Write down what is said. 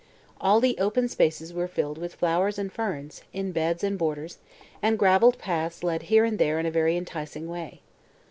All the open spaces were filled with flowers and ferns, in beds and borders, and graveled paths led here and there in a very enticing way.